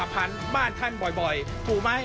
ภาษาอังกฤษ